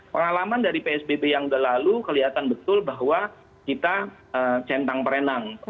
pengalaman dari psbb yang berlalu kelihatan betul bahwa kita centang perenang